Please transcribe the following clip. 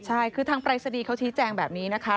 ใช่คือทางปรายศนีย์เขาชี้แจงแบบนี้นะคะ